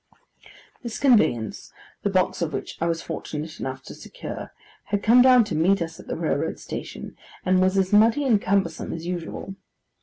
This conveyance, the box of which I was fortunate enough to secure, had come down to meet us at the railroad station, and was as muddy and cumbersome as usual.